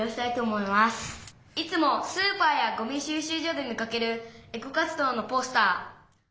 「いつもスーパーやゴミしゅう集所で見かけるエコ活動のポスター」。